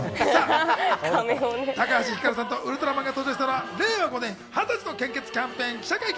高橋ひかるさんとウルトラマンが登場したのは令和５年はたちの献血キャンペーンの記者会見。